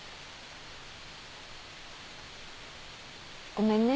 ごめんね。